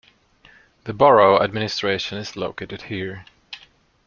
The borough administration is located here.